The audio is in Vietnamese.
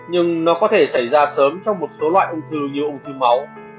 nhưng nó có thể xảy ra sớm trong một số loại ung thư như ung thư máu